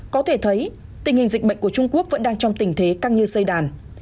có thể thấy tình hình dịch bệnh của trung quốc vẫn đang trong tình thế căng như xây đàn